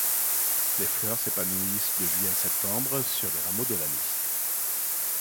Les fleurs s'épanouissent de juillet à septembre, sur les rameaux de l'année.